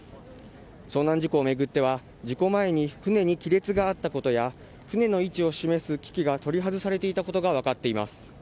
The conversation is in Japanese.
遭難事故を巡っては事故前に船に亀裂があったことや船の位置を示す機器が取り外されていたことが分かっています。